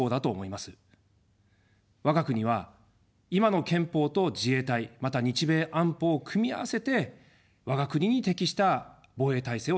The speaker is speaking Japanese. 我が国は今の憲法と自衛隊、また日米安保を組み合わせて我が国に適した防衛体制を作っています。